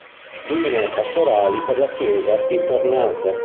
Linee pastorali per la Chiesa tifernate".